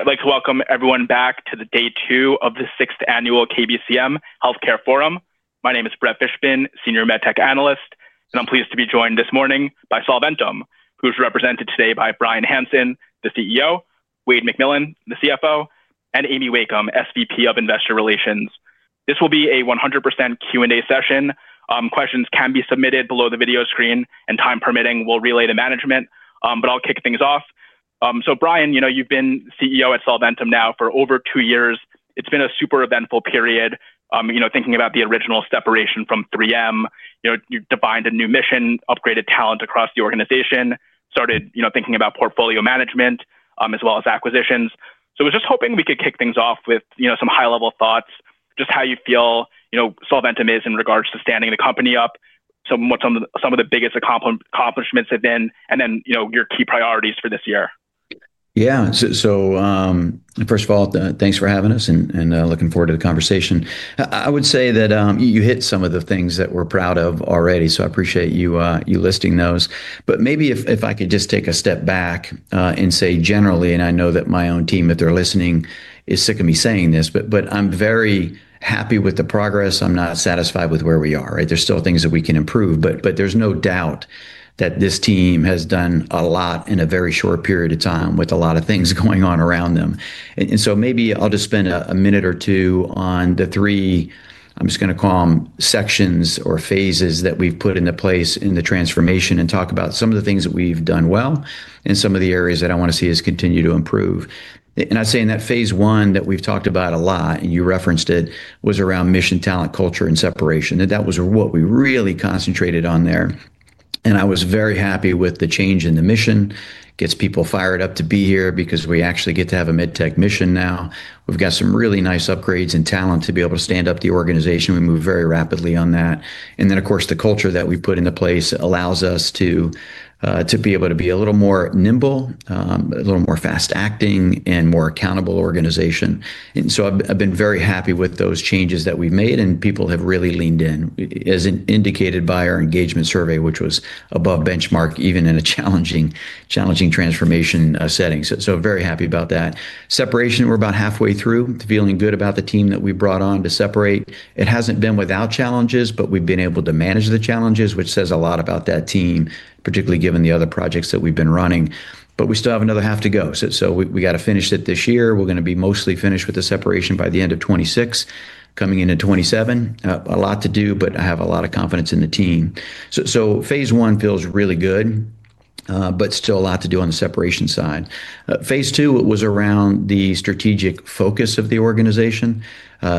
All right. I'd like to welcome everyone back to day two of the Sixth Annual KBCM Healthcare Forum. My name is Brett Fishbin, Senior MedTech Analyst, and I'm pleased to be joined this morning by Solventum, who's represented today by Bryan Hanson, the CEO, Wayde McMillan, the CFO, and Amy Wakeham, SVP of Investor Relations. This will be a 100% Q&A session. Questions can be submitted below the video screen, and time permitting, we'll relay to management. I'll kick things off. Bryan, you know, you've been CEO at Solventum now for over two years. It's been a super eventful period. You know, thinking about the original Separation from 3M, you know, you defined a new mission, upgraded talent across the organization, started, you know, thinking about portfolio management, as well as acquisitions. I was just hoping we could kick things off with, you know, some high-level thoughts, just how you feel, you know, Solventum is in regards to standing the company up, some of the biggest accomplishments have been, and then, you know, your key priorities for this year. Yeah. First of all, thanks for having us and looking forward to the conversation. I would say that you hit some of the things that we're proud of already, so I appreciate you listing those. Maybe if I could just take a step back and say generally, and I know that my own team, if they're listening, is sick of me saying this, but I'm very happy with the progress. I'm not satisfied with where we are, right? There's still things that we can improve, but there's no doubt that this team has done a lot in a very short period of time with a lot of things going on around them. Maybe I'll just spend a minute or two on the three, I'm just gonna call them sections or phases that we've put into place in the transformation and talk about some of the things that we've done well and some of the areas that I wanna see us continue to improve. I'd say in that phase I that we've talked about a lot, and you referenced it, was around mission, talent, culture, and Separation. That was what we really concentrated on there, and I was very happy with the change in the mission. Gets people fired up to be here because we actually get to have a medtech mission now. We've got some really nice upgrades and talent to be able to stand up the organization. We moved very rapidly on that. Of course, the culture that we put into place allows us to be able to be a little more nimble, a little more fast-acting and more accountable organization. I've been very happy with those changes that we've made, and people have really leaned in, as indicated by our engagement survey, which was above benchmark, even in a challenging transformation setting. Very happy about that. Separation, we're about halfway through, feeling good about the team that we brought on to separate. It hasn't been without challenges, but we've been able to manage the challenges, which says a lot about that team, particularly given the other projects that we've been running. We still have another half to go. We gotta finish it this year. We're gonna be mostly finished with the Separation by the end of 2026, coming into 2027. A lot to do, but I have a lot of confidence in the team. Phase I feels really good, but still a lot to do on the Separation side. Phase II was around the strategic focus of the organization.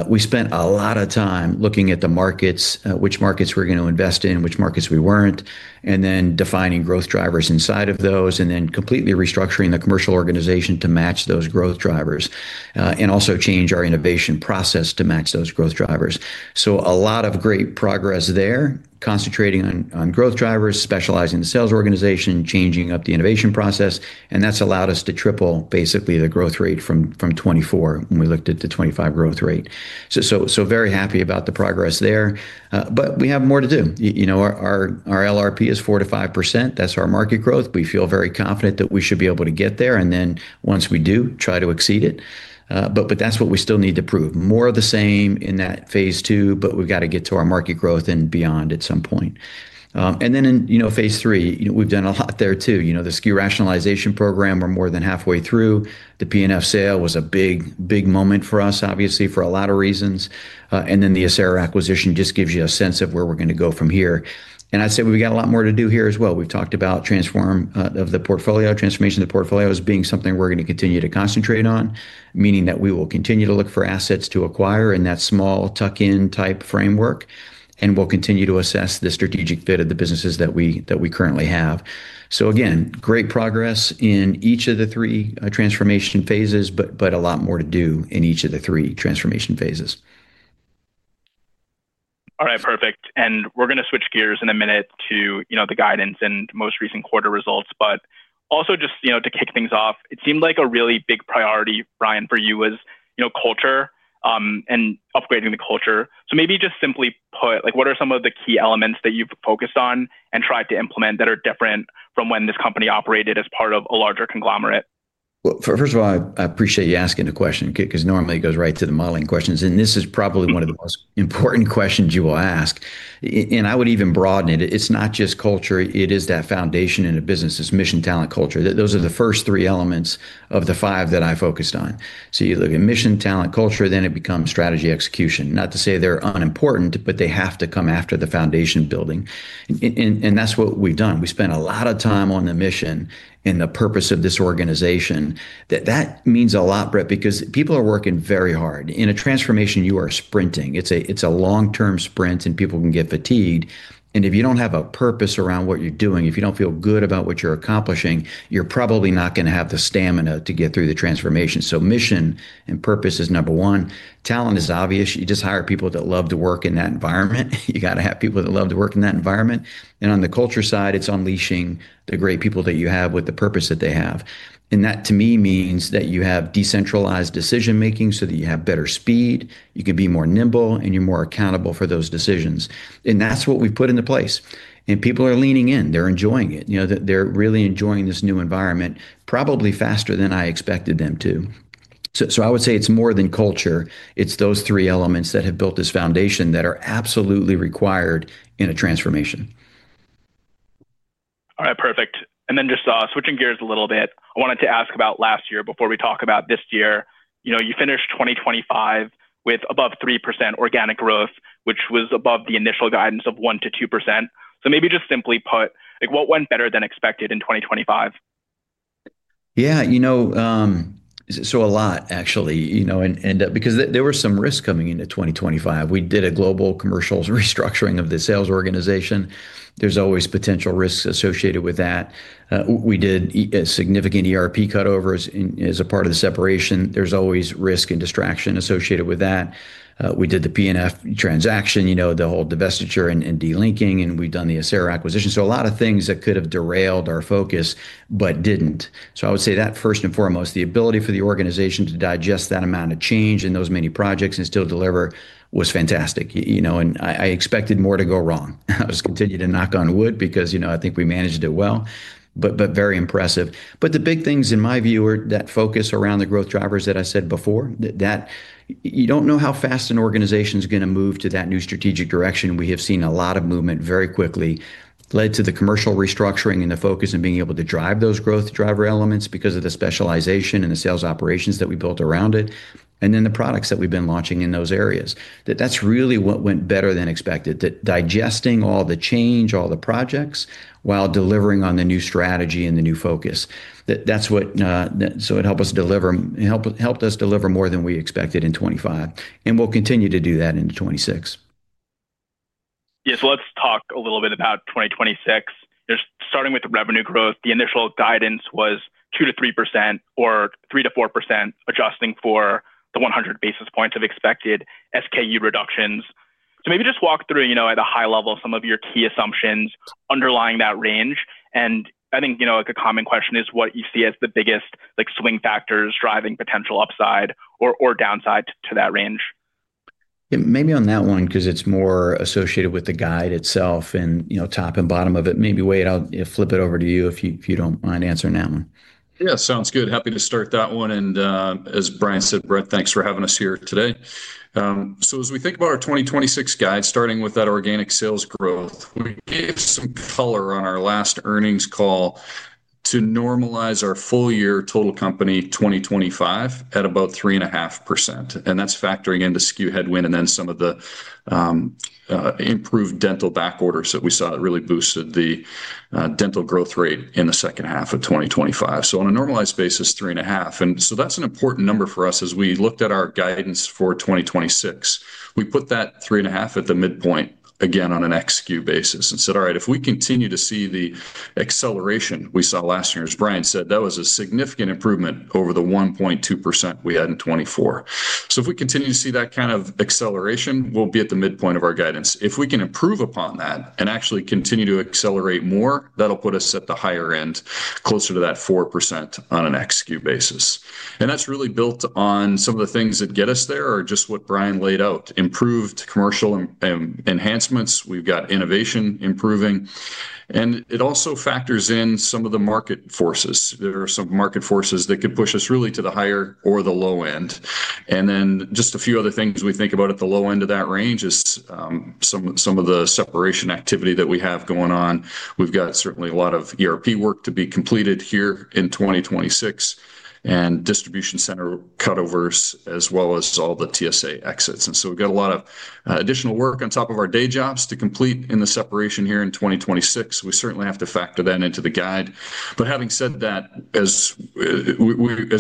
We spent a lot of time looking at the markets, which markets we're gonna invest in, which markets we weren't, and then defining growth drivers inside of those, and then completely restructuring the commercial organization to match those growth drivers, and also change our innovation process to match those growth drivers. A lot of great progress there, concentrating on growth drivers, specializing the sales organization, changing up the innovation process, and that's allowed us to triple basically the growth rate from 2024 when we looked at the 2025 growth rate. Very happy about the progress there, but we have more to do. You know, our LRP is 4%-5%. That's our market growth. We feel very confident that we should be able to get there, and then once we do, try to exceed it. But that's what we still need to prove. More of the same in that phase II, but we've got to get to our market growth and beyond at some point. In you know phase III, you know, we've done a lot there too. You know, the SKU rationalization program, we're more than halfway through. The P&F sale was a big, big moment for us, obviously, for a lot of reasons. Then the Acera acquisition just gives you a sense of where we're gonna go from here. I'd say we've got a lot more to do here as well. We've talked about transform of the portfolio. Transformation of the portfolio is being something we're gonna continue to concentrate on, meaning that we will continue to look for assets to acquire in that small tuck-in type framework, and we'll continue to assess the strategic fit of the businesses that we currently have. Again, great progress in each of the three transformation phases, but a lot more to do in each of the three transformation phases. All right. Perfect. We're gonna switch gears in a minute to, you know, the guidance and most recent quarter results, but also just, you know, to kick things off, it seemed like a really big priority, Bryan, for you was, you know, culture, and upgrading the culture. Maybe just simply put, like, what are some of the key elements that you've focused on and tried to implement that are different from when this company operated as part of a larger conglomerate? Well, first of all, I appreciate you asking the question because normally it goes right to the modeling questions, and this is probably one of the most important questions you will ask. I would even broaden it. It's not just culture, it is that foundation in a business. It's mission, talent, culture. Those are the first three elements of the five that I focused on. You look at mission, talent, culture, then it becomes strategy, execution. Not to say they're unimportant, but they have to come after the foundation building. That's what we've done. We spent a lot of time on the mission and the purpose of this organization. That means a lot, Brett, because people are working very hard. In a transformation, you are sprinting. It's a long-term sprint, and people can get fatigued. If you don't have a purpose around what you're doing, if you don't feel good about what you're accomplishing, you're probably not gonna have the stamina to get through the transformation submission and purpose is number one. Talent is obvious. You just hire people that love to work in that environment. You gotta have people that love to work in that environment. On the culture side, it's unleashing the great people that you have with the purpose that they have. That, to me, means that you have decentralized decision-making so that you have better speed, you can be more nimble, and you're more accountable for those decisions. That's what we've put into place. People are leaning in. They're enjoying it. You know, they're really enjoying this new environment probably faster than I expected them to. I would say it's more than culture. It's those three elements that have built this foundation that are absolutely required in a transformation. All right, perfect. Just switching gears a little bit, I wanted to ask about last year before we talk about this year. You know, you finished 2025 with above 3% organic growth, which was above the initial guidance of 1%-2%. Maybe just simply put, like what went better than expected in 2025? Yeah. You know, a lot actually, you know, and because there were some risks coming into 2025. We did a global commercial restructuring of the sales organization. There's always potential risks associated with that. We did a significant ERP cutovers in as a part of the Separation. There's always risk and distraction associated with that. We did the P&F transaction, you know, the whole divestiture and delinking, and we've done the Acera acquisition. A lot of things that could have derailed our focus but didn't. I would say that first and foremost, the ability for the organization to digest that amount of change and those many projects and still deliver was fantastic. You know, I expected more to go wrong. I just continue to knock on wood because, you know, I think we managed it well, but very impressive. The big things in my view are that focus around the growth drivers that I said before, that you don't know how fast an organization's gonna move to that new strategic direction. We have seen a lot of movement very quickly, led to the commercial restructuring and the focus on being able to drive those growth driver elements because of the specialization and the sales operations that we built around it, and then the products that we've been launching in those areas. That's really what went better than expected, digesting all the change, all the projects, while delivering on the new strategy and the new focus. That's what it helped us deliver more than we expected in 2025, and we'll continue to do that into 2026. Yeah. Let's talk a little bit about 2026. Just starting with the revenue growth, the initial guidance was 2%-3% or 3%-4%, adjusting for the 100 basis points of expected SKU reductions. Maybe just walk through, you know, at a high level, some of your key assumptions underlying that range. I think, you know, like a common question is what you see as the biggest like swing factors driving potential upside or downside to that range. Maybe on that one, because it's more associated with the guide itself and, you know, top and bottom of it, maybe, Wayde, I'll flip it over to you if you don't mind answering that one. Yeah, sounds good. Happy to start that one. As Bryan said, Brett, thanks for having us here today. As we think about our 2026 guide, starting with that organic sales growth, we gave some color on our last earnings call to normalize our full year total company 2025 at about 3.5%, and that's factoring into SKU headwind and then some of the improved Dental backorders that we saw that really boosted the Dental growth rate in the second half of 2025. On a normalized basis, 3.5%. That's an important number for us as we looked at our guidance for 2026. We put that 3.5% at the midpoint again on an ex-SKU basis and said, all right, if we continue to see the acceleration we saw last year, as Bryan said, that was a significant improvement over the 1.2% we had in 2024. If we continue to see that kind of acceleration, we'll be at the midpoint of our guidance. If we can improve upon that and actually continue to accelerate more, that'll put us at the higher end, closer to that 4% on an ex-SKU basis. That's really built on some of the things that get us there are just what Bryan laid out, improved commercial enhancements. We've got innovation improving, and it also factors in some of the market forces. There are some market forces that could push us really to the higher or the low end. Just a few other things we think about at the low end of that range is some of the Separation activity that we have going on. We've got certainly a lot of ERP work to be completed here in 2026 and distribution center cutovers as well as all the TSA exits. We've got a lot of additional work on top of our day jobs to complete in the Separation here in 2026. We certainly have to factor that into the guide. Having said that, as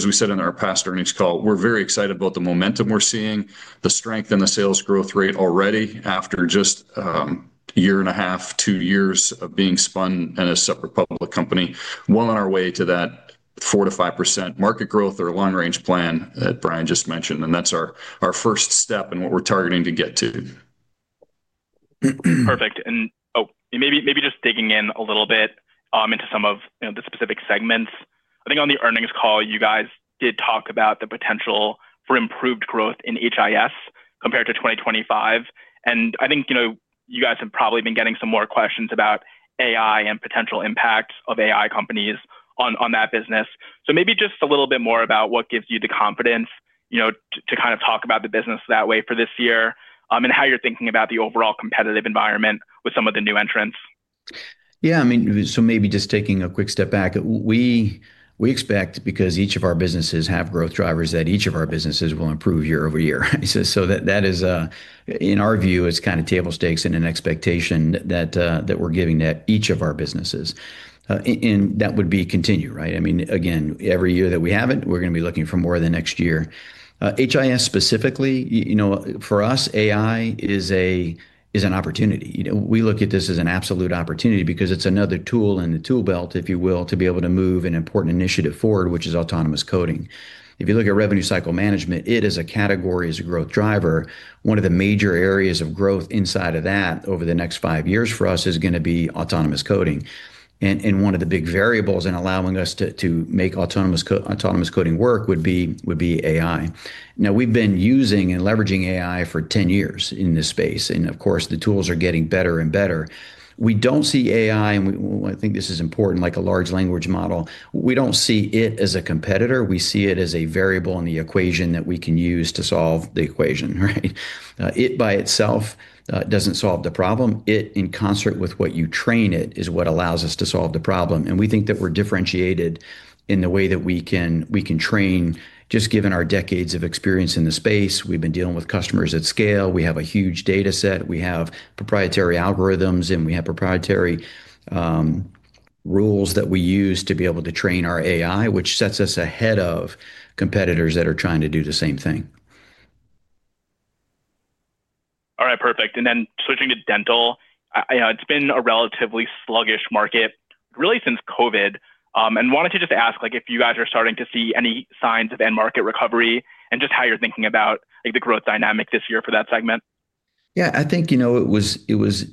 we said in our past earnings call, we're very excited about the momentum we're seeing, the strength in the sales growth rate already after just 1.5 year, two years of being spun in a separate public company. Well on our way to that 4%-5% market growth or long range plan that Bryan just mentioned, and that's our first step in what we're targeting to get to. Perfect. Oh, maybe just digging in a little bit into some of, you know, the specific segments. I think on the earnings call, you guys did talk about the potential for improved growth in HIS compared to 2025. I think, you know, you guys have probably been getting some more questions about AI and potential impact of AI companies on that business. Maybe just a little bit more about what gives you the confidence, you know, to kind of talk about the business that way for this year, and how you're thinking about the overall competitive environment with some of the new entrants. Yeah, I mean, maybe just taking a quick step back. We expect, because each of our businesses have growth drivers, that each of our businesses will improve year-over-year. That is, in our view, kind of table stakes and an expectation that we're giving to each of our businesses. That would be continued, right? I mean, again, every year that we have it, we're gonna be looking for more the next year. HIS specifically, you know, for us, AI is an opportunity. You know, we look at this as an absolute opportunity because it's another tool in the tool belt, if you will, to be able to move an important initiative forward, which is Autonomous Coding. If you look at revenue cycle management, it as a category, as a growth driver, one of the major areas of growth inside of that over the next five years for us is gonna be Autonomous Coding. One of the big variables in allowing us to make Autonomous Coding work would be AI. Now we've been using and leveraging AI for 10 years in this space, and of course, the tools are getting better and better. We don't see AI, and I think this is important, like a large language model, we don't see it as a competitor. We see it as a variable in the equation that we can use to solve the equation, right? It by itself doesn't solve the problem. It in concert with what you train it is what allows us to solve the problem. We think that we're differentiated in the way that we can train just given our decades of experience in the space. We've been dealing with customers at scale. We have a huge data set. We have proprietary algorithms, and we have proprietary rules that we use to be able to train our AI, which sets us ahead of competitors that are trying to do the same thing. All right, perfect. Switching to Dental, I know it's been a relatively sluggish market really since COVID, and wanted to just ask, like, if you guys are starting to see any signs of end market recovery and just how you're thinking about, like, the growth dynamic this year for that segment. Yeah. I think, you know, it was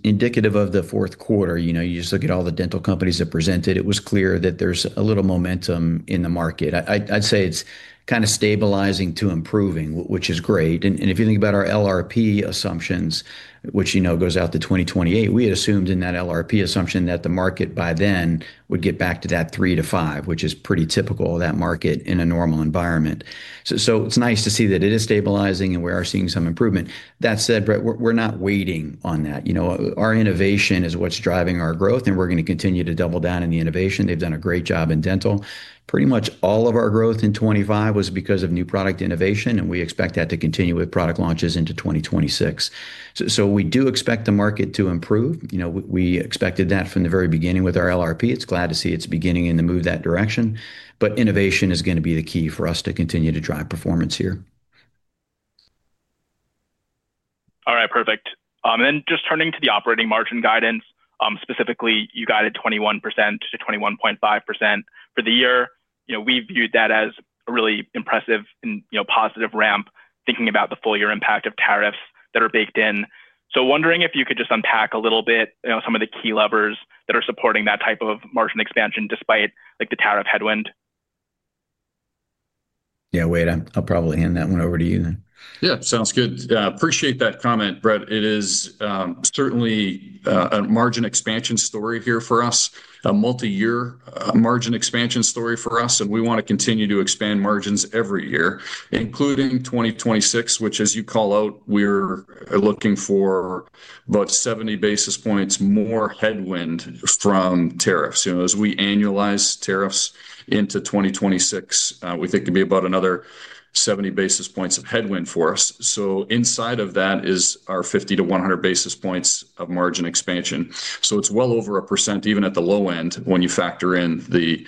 indicative of the fourth quarter. You know, you just look at all the Dental companies that presented, it was clear that there's a little momentum in the market. I'd say it's kinda stabilizing to improving, which is great. If you think about our LRP assumptions, which, you know, goes out to 2028, we had assumed in that LRP assumption that the market by then would get back to that 3%-5%, which is pretty typical of that market in a normal environment. It's nice to see that it is stabilizing, and we are seeing some improvement. That said, Brett, we're not waiting on that. You know, our innovation is what's driving our growth, and we're gonna continue to double down in the innovation. They've done a great job in Dental. Pretty much all of our growth in 2025 was because of new product innovation, and we expect that to continue with product launches into 2026. We do expect the market to improve. You know, we expected that from the very beginning with our LRP. I'm glad to see it's beginning to move in that direction, but innovation is gonna be the key for us to continue to drive performance here. All right, perfect. Then just turning to the operating margin guidance, specifically, you guided 21%-21.5% for the year. You know, we viewed that as a really impressive and, you know, positive ramp thinking about the full year impact of tariffs that are baked in. Wondering if you could just unpack a little bit, you know, some of the key levers that are supporting that type of margin expansion despite, like, the tariff headwind. Yeah. Wayde, I'll probably hand that one over to you then. Yeah. Sounds good. Appreciate that comment, Brett. It is certainly a margin expansion story here for us, a multi-year margin expansion story for us, and we wanna continue to expand margins every year, including 2026, which as you call out, we're looking for about 70 basis points more headwind from tariffs. You know, as we annualize tariffs into 2026, we think it'd be about another 70 basis points of headwind for us. So inside of that is our 50-100 basis points of margin expansion. So it's well over 1% even at the low end when you factor in the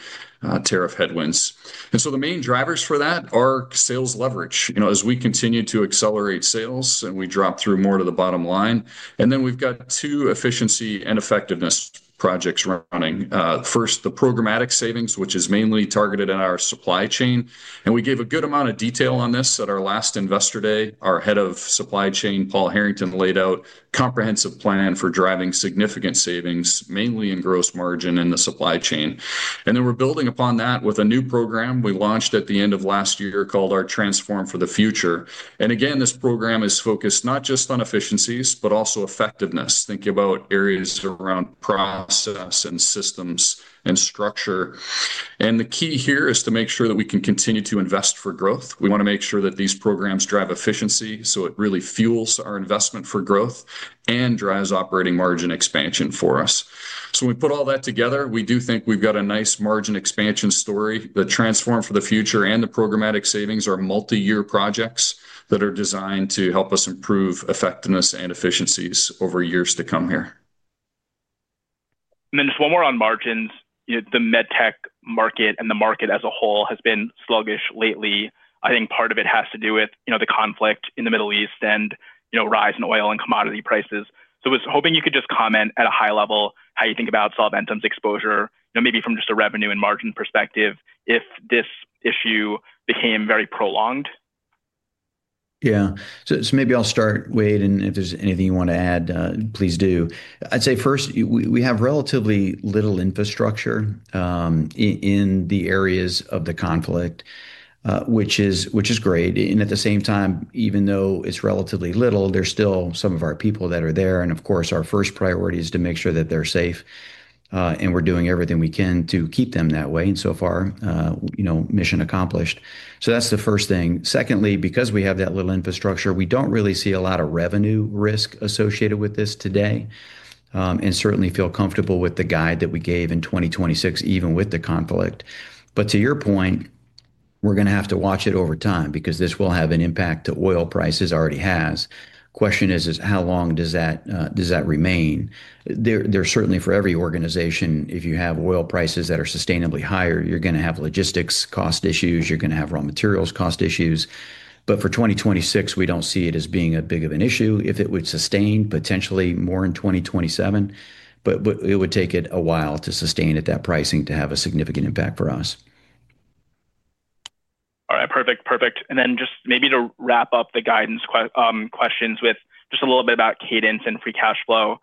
tariff headwinds. The main drivers for that are sales leverage. You know, as we continue to accelerate sales, and we drop through more to the bottom line, and then we've got two efficiency and effectiveness projects running. First, the programmatic savings, which is mainly targeted at our supply chain, and we gave a good amount of detail on this at our last Investor Day. Our Head of Supply Chain, Paul Harrington, laid out comprehensive plan for driving significant savings, mainly in gross margin in the supply chain. Then we're building upon that with a new program we launched at the end of last year called our Transform for the Future. Again, this program is focused not just on efficiencies, but also effectiveness, thinking about areas around process and systems and structure. The key here is to make sure that we can continue to invest for growth. We wanna make sure that these programs drive efficiency, so it really fuels our investment for growth and drives operating margin expansion for us. When we put all that together, we do think we've got a nice margin expansion story. The Transform for the Future and the programmatic savings are multi-year projects that are designed to help us improve effectiveness and efficiencies over years to come here. Then just one more on margins. You know, the med tech market and the market as a whole has been sluggish lately. I think part of it has to do with, you know, the conflict in the Middle East and, you know, rise in oil and commodity prices. So I was hoping you could just comment at a high level how you think about Solventum's exposure, you know, maybe from just a revenue and margin perspective if this issue became very prolonged. Yeah. So maybe I'll start, Wayde, and if there's anything you wanna add, please do. I'd say first, we have relatively little infrastructure in the areas of the conflict, which is great. At the same time, even though it's relatively little, there's still some of our people that are there, and of course, our first priority is to make sure that they're safe, and we're doing everything we can to keep them that way, and so far, you know, mission accomplished. That's the first thing. Secondly, because we have that little infrastructure, we don't really see a lot of revenue risk associated with this today, and certainly feel comfortable with the guide that we gave in 2026, even with the conflict. To your point, we're gonna have to watch it over time because this will have an impact to oil prices. Already has. Question is, how long does that remain? There certainly, for every organization, if you have oil prices that are sustainably higher, you're gonna have logistics cost issues, you're gonna have raw materials cost issues. For 2026, we don't see it as being as big of an issue. If it would sustain potentially more in 2027, but it would take it a while to sustain at that pricing to have a significant impact for us. Perfect. Then just maybe to wrap up the guidance questions with just a little bit about cadence and free cash flow.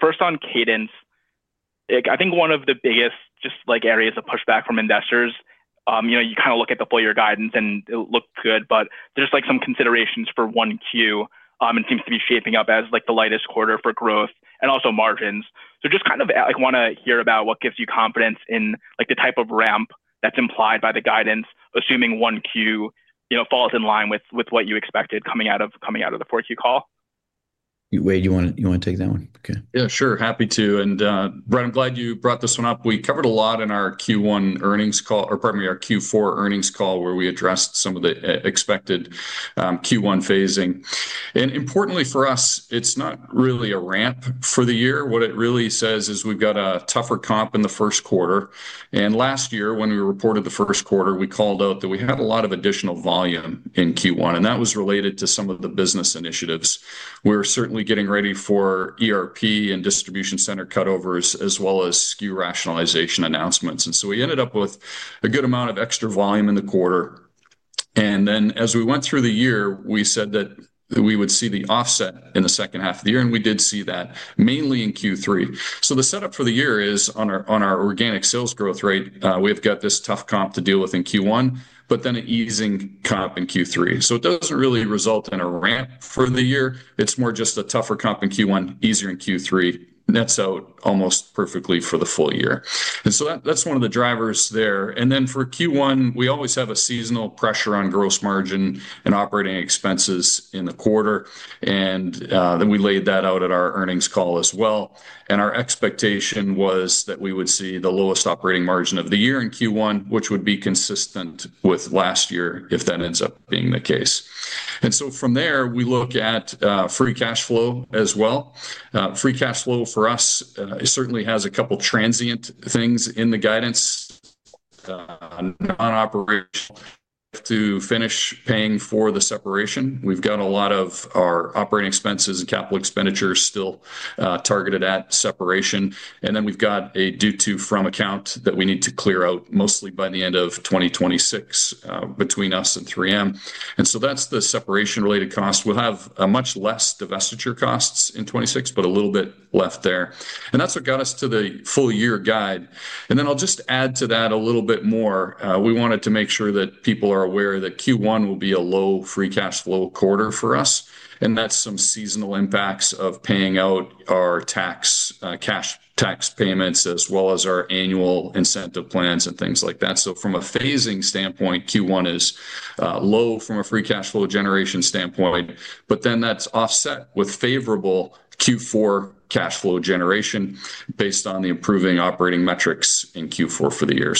First on cadence, like, I think one of the biggest just like areas of pushback from investors, you kind of look at the full year guidance and it looked good, but there's like some considerations for 1Q, and seems to be shaping up as like the lightest quarter for growth and also margins. Just kind of, like, wanna hear about what gives you confidence in, like, the type of ramp that's implied by the guidance, assuming 1Q falls in line with what you expected coming out of the 4Q call. Wayde, you wanna take that one? Okay. Yeah, sure. Happy to. Brett, I'm glad you brought this one up. We covered a lot in our Q1 earnings call, or pardon me, our Q4 earnings call, where we addressed some of the expected Q1 phasing. Importantly for us, it's not really a ramp for the year. What it really says is we've got a tougher comp in the first quarter. Last year when we reported the first quarter, we called out that we had a lot of additional volume in Q1, and that was related to some of the business initiatives. We're certainly getting ready for ERP and distribution center cutovers as well as SKU rationalization announcements. We ended up with a good amount of extra volume in the quarter. As we went through the year, we said that we would see the offset in the second half of the year, and we did see that mainly in Q3. The setup for the year is on our organic sales growth rate. We've got this tough comp to deal with in Q1, but then an easing comp in Q3. It doesn't really result in a ramp for the year. It's more just a tougher comp in Q1, easier in Q3, and that's out almost perfectly for the full year. That's one of the drivers there. For Q1, we always have a seasonal pressure on gross margin and operating expenses in the quarter. We laid that out at our earnings call as well. Our expectation was that we would see the lowest operating margin of the year in Q1, which would be consistent with last year if that ends up being the case. From there, we look at free cash flow as well. Free cash flow for us certainly has a couple transient things in the guidance on operations to finish paying for the Separation. We've got a lot of our operating expenses and capital expenditures still targeted at Separation. We've got a due to/from account that we need to clear out mostly by the end of 2026 between us and 3M. That's the Separation-related cost. We'll have much less divestiture costs in 2026, but a little bit left there. That's what got us to the full year guide. I'll just add to that a little bit more. We wanted to make sure that people are aware that Q1 will be a low free cash flow quarter for us, and that's due to some seasonal impacts of paying out our cash tax payments as well as our annual incentive plans and things like that. From a phasing standpoint, Q1 is low from a free cash flow generation standpoint, but then that's offset with favorable Q4 cash flow generation based on the improving operating metrics in Q4 for the year.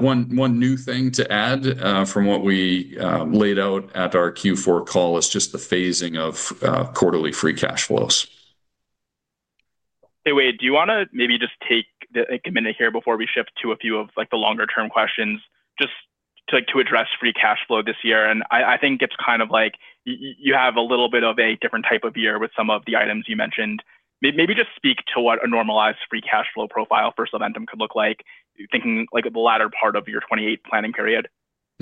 One new thing to add from what we laid out at our Q4 call is just the phasing of quarterly free cash flows. Hey, Wayde, do you wanna maybe just take a minute here before we shift to a few of, like, the longer term questions just to, like, to address free cash flow this year? I think it's kind of like you have a little bit of a different type of year with some of the items you mentioned. Maybe just speak to what a normalized free cash flow profile for Solventum could look like, thinking like the latter part of your 2028 planning period.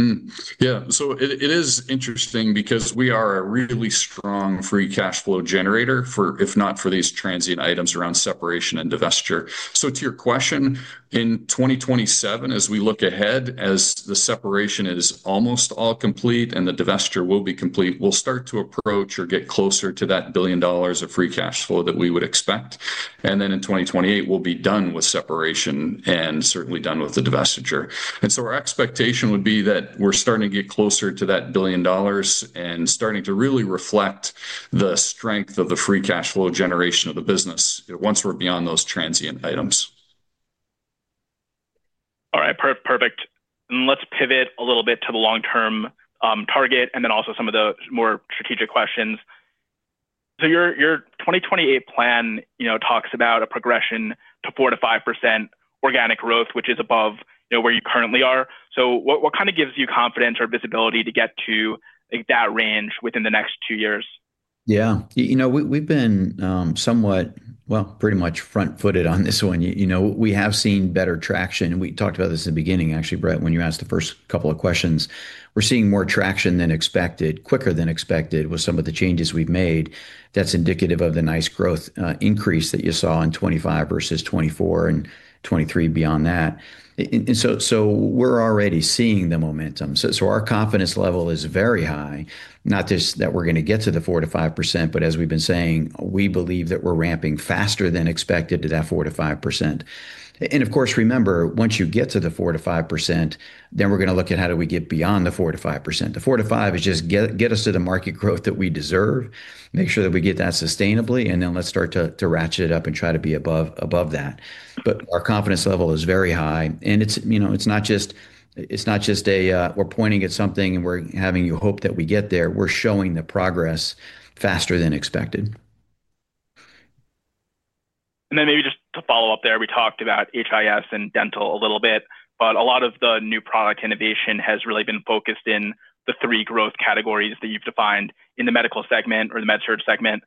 It is interesting because we are a really strong free cash flow generator if not for these transient items around Separation and divestiture. To your question, in 2027, as we look ahead, as the Separation is almost all complete and the divestiture will be complete, we'll start to approach or get closer to that $1 billion of free cash flow that we would expect. In 2028, we'll be done with Separation and certainly done with the divestiture. Our expectation would be that we're starting to get closer to that $1 billion and starting to really reflect the strength of the free cash flow generation of the business once we're beyond those transient items. All right, perfect. Let's pivot a little bit to the long-term target and then also some of the more strategic questions. Your 2028 plan, you know, talks about a progression to 4%-5% organic growth, which is above, you know, where you currently are. What kind of gives you confidence or visibility to get to, like, that range within the next two years? Yeah. You know, we've been, somewhat, well, pretty much front-footed on this one. You know, we have seen better traction, and we talked about this in the beginning, actually, Brett, when you asked the first couple of questions. We're seeing more traction than expected, quicker than expected with some of the changes we've made. That's indicative of the nice growth increase that you saw in 2025 versus 2024 and 2023 beyond that. We're already seeing the momentum. Our confidence level is very high, not just that we're gonna get to the 4%-5%, but as we've been saying, we believe that we're ramping faster than expected to that 4%-5%. Of course, remember, once you get to the 4%-5%, then we're gonna look at how do we get beyond the 4%-5%. The 4%-5% is just get us to the market growth that we deserve, make sure that we get that sustainably, and then let's start to ratchet it up and try to be above that. Our confidence level is very high, and it's, you know, it's not just a, we're pointing at something and we're having you hope that we get there. We're showing the progress faster than expected. Maybe just to follow up there, we talked about HIS and Dental a little bit, but a lot of the new product innovation has really been focused in the three growth categories that you've defined in the medical segment or the MedSurg segment.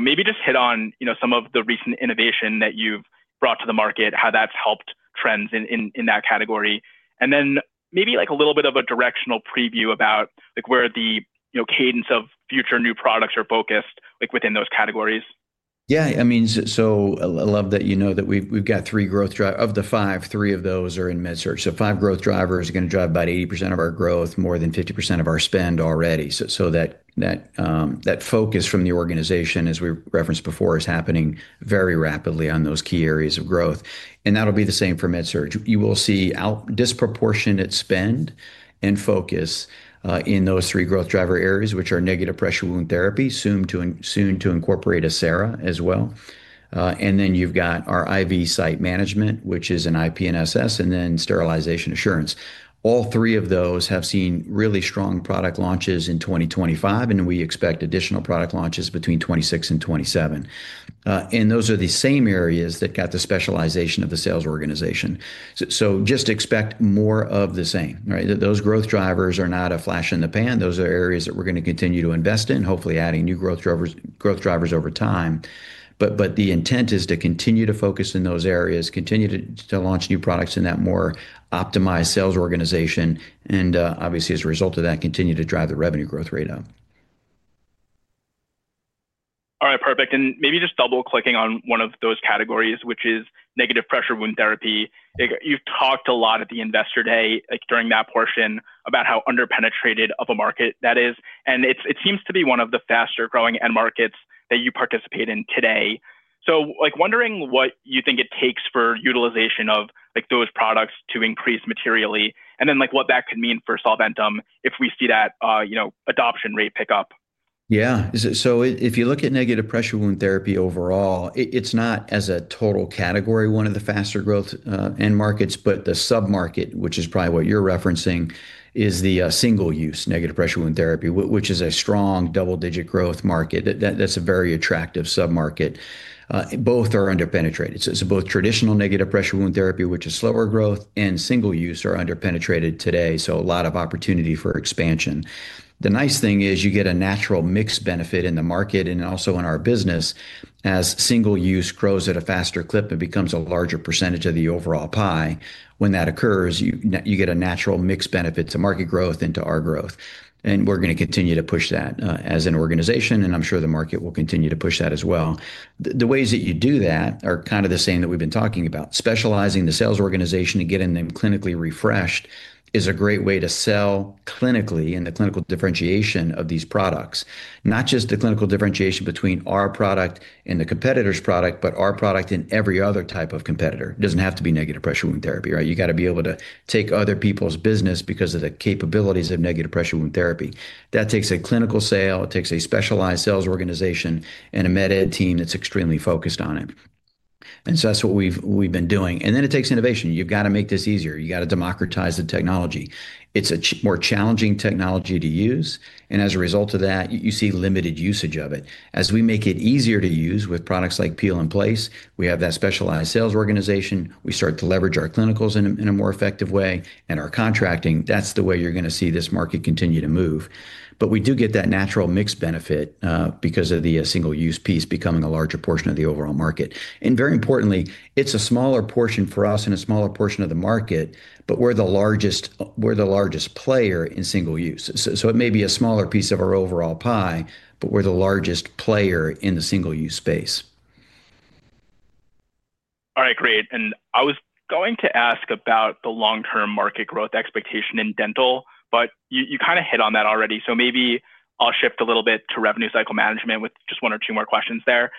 Maybe just hit on, you know, some of the recent innovation that you've brought to the market, how that's helped trends in that category. Maybe like a little bit of a directional preview about like where the, you know, cadence of future new products are focused like within those categories. Yeah. I mean, so I love that you know that we've got three growth drivers of the five, three of those are in MedSurg. Five growth drivers are gonna drive about 80% of our growth, more than 50% of our spend already. That focus from the organization, as we referenced before, is happening very rapidly on those key areas of growth. That'll be the same for MedSurg. You will see disproportionate spend and focus in those three growth driver areas, which are negative pressure wound therapy, soon to incorporate Acera as well. Then you've got our IV site management, which is an IP&SS, and then sterilization assurance. All three of those have seen really strong product launches in 2025, and we expect additional product launches between 2026 and 2027. Those are the same areas that got the specialization of the sales organization. So just expect more of the same, right? Those growth drivers are not a flash in the pan. Those are areas that we're gonna continue to invest in, hopefully adding new growth drivers over time. But the intent is to continue to focus in those areas, continue to launch new products in that more optimized sales organization, and obviously as a result of that, continue to drive the revenue growth rate up. All right, perfect. Maybe just double-clicking on one of those categories, which is negative pressure wound therapy. Like, you've talked a lot at the Investor Day, like during that portion, about how under-penetrated of a market that is, and it seems to be one of the faster-growing end markets that you participate in today. Like wondering what you think it takes for utilization of like those products to increase materially, and then like what that could mean for Solventum if we see that, you know, adoption rate pick up. Yeah. If you look at negative pressure wound therapy overall, it's not as a total category one of the faster growth end markets, but the sub-market, which is probably what you're referencing, is the single-use negative pressure wound therapy which is a strong double-digit growth market. That's a very attractive sub-market. Both are under-penetrated. It's both traditional negative pressure wound therapy, which is slower growth, and single-use are under-penetrated today, so a lot of opportunity for expansion. The nice thing is you get a natural mix benefit in the market and also in our business as single-use grows at a faster clip and becomes a larger percentage of the overall pie. When that occurs, you get a natural mix benefit to market growth and to our growth, and we're gonna continue to push that as an organization, and I'm sure the market will continue to push that as well. The ways that you do that are kind of the same that we've been talking about. Specializing the sales organization and getting them clinically refreshed is a great way to sell clinically in the clinical differentiation of these products. Not just the clinical differentiation between our product and the competitor's product, but our product and every other type of competitor. It doesn't have to be negative pressure wound therapy, right? You gotta be able to take other people's business because of the capabilities of negative pressure wound therapy. That takes a clinical sale, it takes a specialized sales organization, and a MedEd team that's extremely focused on it. That's what we've been doing. It takes innovation. You've got to make this easier. You got to democratize the technology. It's a more challenging technology to use, and as a result of that, you see limited usage of it. As we make it easier to use with products like Peel and Place, we have that specialized sales organization, we start to leverage our clinicals in a more effective way and our contracting, that's the way you're gonna see this market continue to move. We do get that natural mix benefit, because of the single-use piece becoming a larger portion of the overall market. Very importantly, it's a smaller portion for us and a smaller portion of the market, but we're the largest player in single use. So it may be a smaller piece of our overall pie, but we're the largest player in the single use space. All right, great. I was going to ask about the long-term market growth expectation in Dental, but you kinda hit on that already. Maybe I'll shift a little bit to revenue cycle management with just one or two more questions there.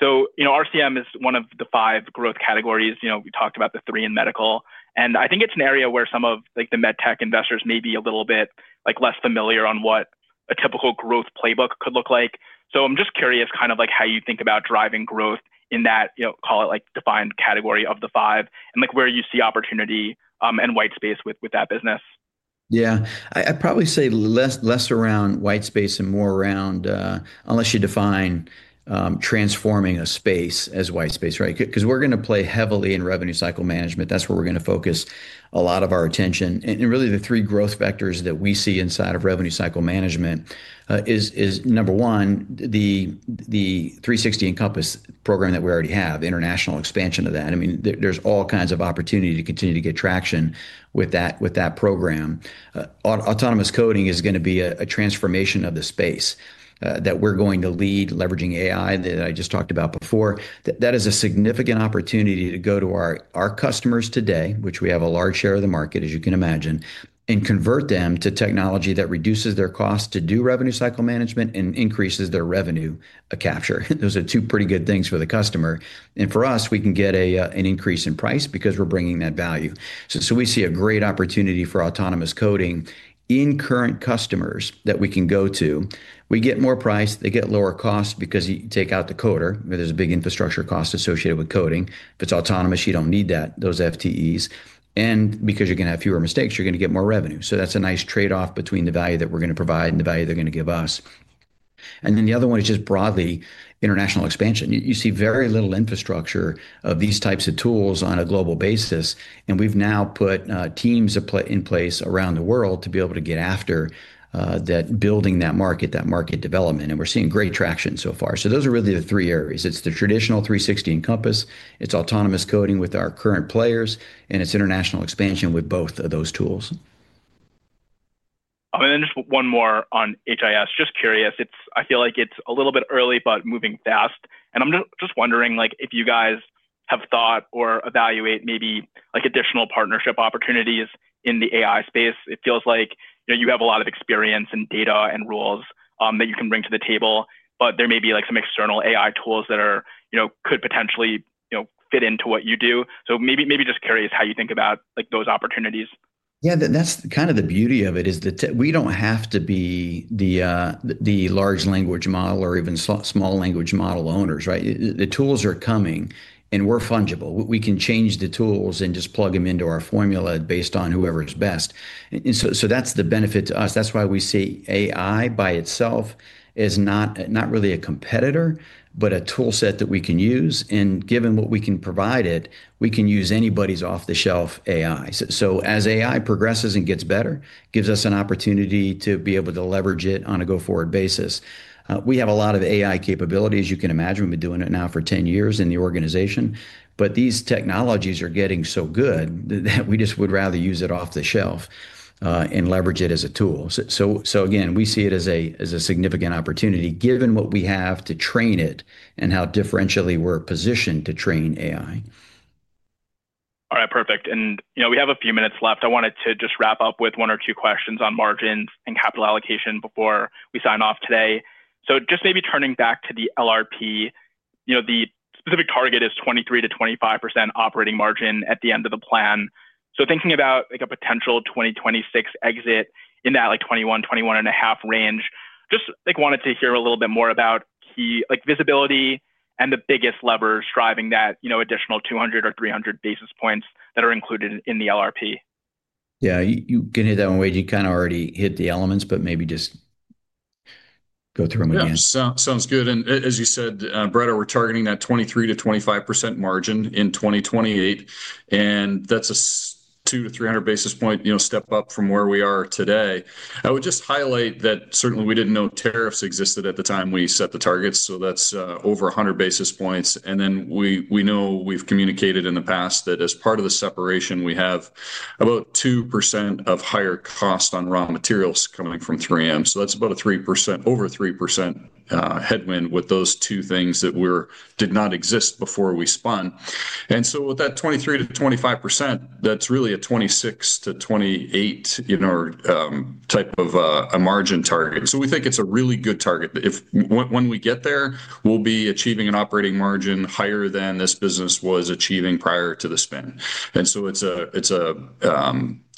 You know, RCM is one of the five growth categories. You know, we talked about the three in medical, and I think it's an area where some of like the medtech investors may be a little bit like less familiar on what a typical growth playbook could look like. I'm just curious kind of like how you think about driving growth in that, you know, call it like defined category of the five, and like where you see opportunity, and white space with that business. Yeah. I'd probably say less around white space and more around unless you define transforming a space as white space, right? Because we're gonna play heavily in revenue cycle management. That's where we're gonna focus a lot of our attention. Really the three growth vectors that we see inside of revenue cycle management is number one, the 360 Encompass System program that we already have, international expansion of that. I mean, there's all kinds of opportunity to continue to get traction with that program. Autonomous Coding is gonna be a transformation of the space that we're going to lead leveraging AI that I just talked about before. That is a significant opportunity to go to our customers today, which we have a large share of the market, as you can imagine, and convert them to technology that reduces their cost to do revenue cycle management and increases their revenue capture. Those are two pretty good things for the customer. For us, we can get an increase in price because we're bringing that value. We see a great opportunity for Autonomous Coding in current customers that we can go to. We get more price, they get lower cost because you take out the coder. There's a big infrastructure cost associated with coding. If it's autonomous, you don't need those FTEs. Because you're gonna have fewer mistakes, you're gonna get more revenue. That's a nice trade-off between the value that we're gonna provide and the value they're gonna give us. The other one is just broadly international expansion. You see very little infrastructure of these types of tools on a global basis, and we've now put teams in place around the world to be able to get after that building that market development, and we're seeing great traction so far. Those are really the three areas. It's the traditional 360 Encompass System, it's Autonomous Coding with our current players, and it's international expansion with both of those tools. Just one more on HIS. Just curious. I feel like it's a little bit early, but moving fast, and I'm just wondering, like, if you guys have thought or evaluate maybe, like, additional partnership opportunities in the AI space. It feels like, you know, you have a lot of experience and data and rules, that you can bring to the table, but there may be, like, some external AI tools that are, you know, could potentially, you know, fit into what you do. Maybe just curious how you think about, like, those opportunities. Yeah, that's kind of the beauty of it is that we don't have to be the large language model or even small language model owners, right? The tools are coming, and we're fungible. We can change the tools and just plug them into our formula based on whoever is best. That's the benefit to us. That's why we see AI by itself as not really a competitor, but a toolset that we can use, and given what we can provide it, we can use anybody's off-the-shelf AI. As AI progresses and gets better, gives us an opportunity to be able to leverage it on a go-forward basis. We have a lot of AI capabilities. You can imagine, we've been doing it now for 10 years in the organization. These technologies are getting so good that we just would rather use it off the shelf, and leverage it as a tool. Again, we see it as a significant opportunity given what we have to train it and how differentially we're positioned to train AI. All right, perfect. You know, we have a few minutes left. I wanted to just wrap up with one or two questions on margins and capital allocation before we sign off today. Just maybe turning back to the LRP, you know, the specific target is 23%-25% operating margin at the end of the plan. Thinking about, like, a potential 2026 exit in that, like, 21.5% range, just, like, wanted to hear a little bit more about key, like, visibility and the biggest levers driving that, you know, additional 200 or 300 basis points that are included in the LRP. Yeah, you can hit that one, Wayde. You kinda already hit the elements, but maybe just go through them again. Yeah. Sounds good. As you said, Brett, we're targeting that 23%-25% margin in 2028, and that's a 200-300 basis points, you know, step up from where we are today. I would just highlight that certainly we didn't know tariffs existed at the time we set the targets, so that's over 100 basis points. We know we've communicated in the past that as part of the Separation, we have about 2% of higher cost on raw materials coming from 3M. That's over 3% headwind with those two things that did not exist before we spun. With that 23%-25%, that's really a 26%-28%, you know, type of a margin target. We think it's a really good target. When we get there, we'll be achieving an operating margin higher than this business was achieving prior to the spin. It's a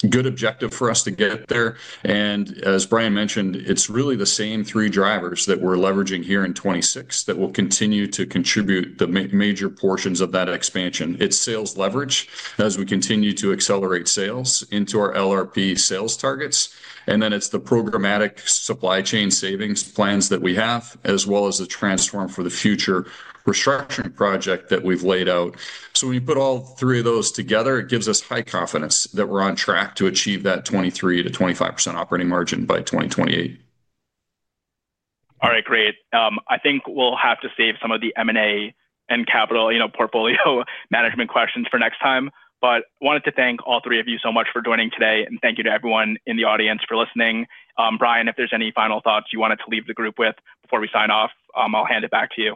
good objective for us to get there. As Bryan mentioned, it's really the same three drivers that we're leveraging here in 2026 that will continue to contribute the major portions of that expansion. It's sales leverage as we continue to accelerate sales into our LRP sales targets, and then it's the programmatic supply chain savings plans that we have, as well as the Transform for the Future restructuring project that we've laid out. When you put all three of those together, it gives us high confidence that we're on track to achieve that 23%-25% operating margin by 2028. All right, great. I think we'll have to save some of the M&A and capital, you know, portfolio management questions for next time. Wanted to thank all three of you so much for joining today, and thank you to everyone in the audience for listening. Bryan, if there's any final thoughts you wanted to leave the group with before we sign off, I'll hand it back to you.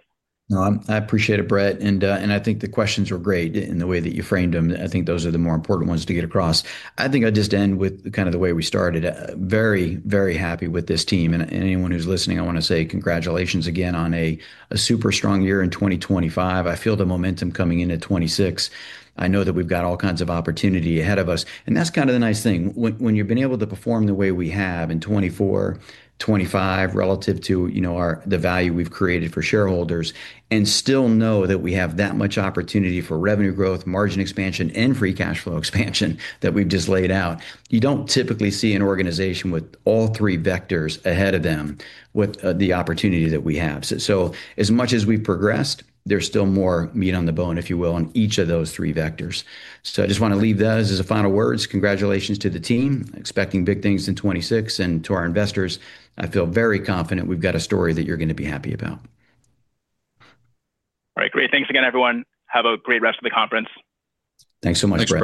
No, I appreciate it, Brett. I think the questions were great in the way that you framed them. I think those are the more important ones to get across. I think I'd just end with kind of the way we started. Very, very happy with this team, and anyone who's listening, I wanna say congratulations again on a super strong year in 2025. I feel the momentum coming in at 2026. I know that we've got all kinds of opportunity ahead of us, and that's kind of the nice thing. When you've been able to perform the way we have in 2024, 2025 relative to, you know, our the value we've created for shareholders and still know that we have that much opportunity for revenue growth, margin expansion, and free cash flow expansion that we've just laid out, you don't typically see an organization with all three vectors ahead of them with the opportunity that we have. So as much as we've progressed, there's still more meat on the bone, if you will, on each of those three vectors. So I just wanna leave that as the final words. Congratulations to the team. Expecting big things in 2026. To our investors, I feel very confident we've got a story that you're gonna be happy about. All right, great. Thanks again, everyone. Have a great rest of the conference. Thanks so much, Brett.